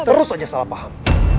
terus aja salah paham